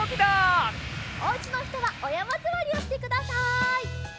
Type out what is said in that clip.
おうちのひとはおやまずわりをしてください。